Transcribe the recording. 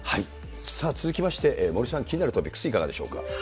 さあ、続きまして、森さん、気になるトピックス、いかがでしょうか。